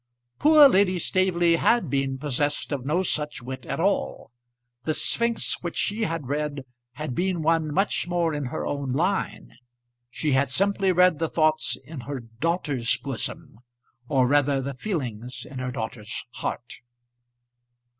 Poor Lady Staveley had been possessed of no such wit at all. The sphynx which she had read had been one much more in her own line. She had simply read the thoughts in her daughter's bosom or rather, the feelings in her daughter's heart.